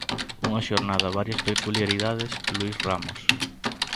Unha xornada varias peculiaridades, Luís Ramos.